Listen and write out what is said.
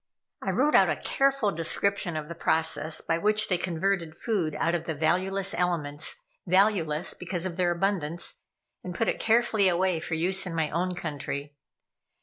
I wrote out a careful description of the processes by which they converted food out of the valueless elements valueless because of their abundance and put it carefully away for use in my own country.